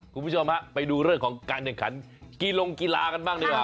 คุณผู้ชมฮะไปดูเรื่องของการแข่งขันกีลงกีฬากันบ้างดีกว่า